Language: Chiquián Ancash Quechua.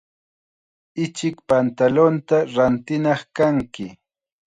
Ichik pantalunta rintinaq kanki.